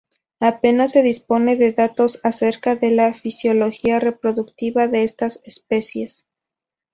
Apenas se dispone de datos acerca de la fisiología reproductiva de estas especies.